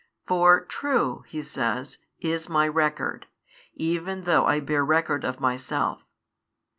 For true (He says) is My record, even though I hear record of Myself.